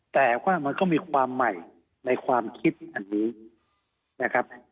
แต่ว่ามันก็มีความใหม่ในความคิดอันนี้นะครับ